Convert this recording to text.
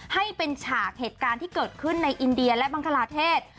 ให้เป็นฉากเหตุการณ์ที่เกิดขึ้นในอินเดียและบังคลาเทศ